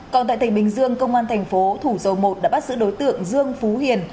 còn tại tỉnh bình dương công an thành phố thủ dầu một đã bắt giữ đối tượng dương phú hiền